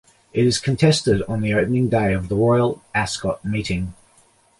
It is contested on the opening day of the Royal Ascot meeting.